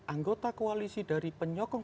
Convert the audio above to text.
anggota koalisi dari penyokong